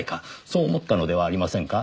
そう思ったのではありませんか？